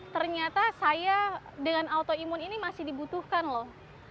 ternyata saya dengan autoimun ini masih dibutuhkan loh